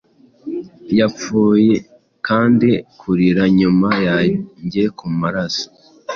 Yapfuye, kandi kurira nyuma yanjye kumaraso!